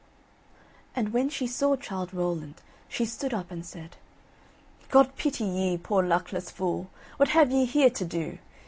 And when she saw Childe Rowland she stood up and said: "God pity ye, poor luckless fool, What have ye here to do?